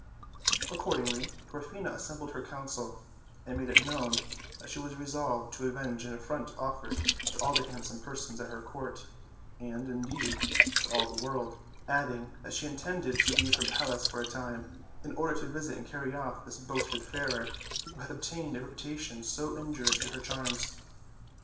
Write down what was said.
Accordingly, Dwarfina assembled her council, and made it known that she was resolved to avenge an affront offered to all the handsome persons at her court, and, indeed, to all the world; adding that she intended to leave her palace for a time, in order to visit and carry off this boasted Fairer, who had obtained a reputation so in jurious to their charms.